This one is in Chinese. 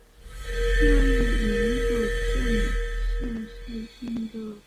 左翼民主阵线是印度喀拉拉邦的一个左翼政党联盟。